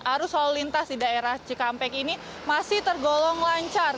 arus lalu lintas di daerah cikampek ini masih tergolong lancar